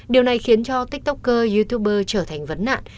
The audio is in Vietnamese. điều này khiến cho tiktoker youtuber trở thành vấn nạn